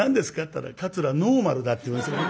ったら桂ノーマルだっていうんですよね。